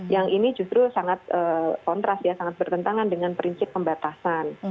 yang ini justru sangat kontras ya sangat bertentangan dengan prinsip pembatasan